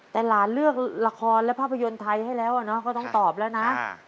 แต่หลานเลือกละครและภาพยนตร์ไทยให้แล้วก็ต้องตอบแล้วนะ